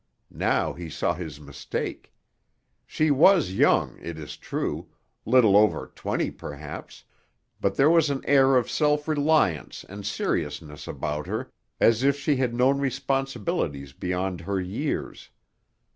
Now he saw his mistake. She was young, it is true—little over twenty perhaps—but there was an air of self reliance and seriousness about her as if she had known responsibilities beyond her years.